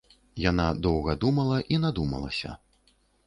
Яна доўга думала і надумалася.